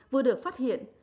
vừa được phát hiện